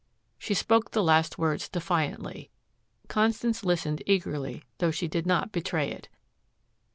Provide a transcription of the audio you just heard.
She spoke the last words defiantly. Constance listened eagerly, though she did not betray it.